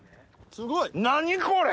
何これ！